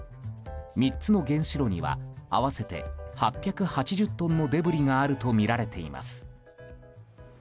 ３つの原子炉には合わせて８８０トンのデブリがあるとみられています。